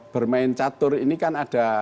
bermain catur ini kan ada